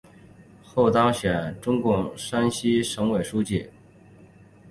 后当选中共山西省纪委书记。